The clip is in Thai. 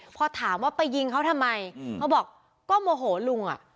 พอถามว่าไปยิงเขาทำไมเขาบอกก็โมโหลุงอ่ะ